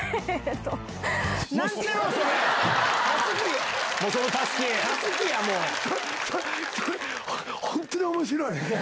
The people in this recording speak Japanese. それ本当に面白い！